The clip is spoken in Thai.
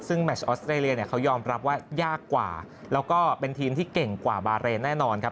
ซึ่งแมชออสเตรเลียเนี่ยเขายอมรับว่ายากกว่าแล้วก็เป็นทีมที่เก่งกว่าบาเรนแน่นอนครับ